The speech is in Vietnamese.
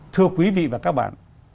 thưa quý vị và các bạn